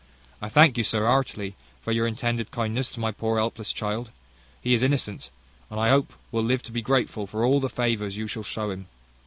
I thank you, sir, heartily, for your intended kindness to my poor helpless child: he is innocent, and I hope will live to be grateful for all the favours you shall show him.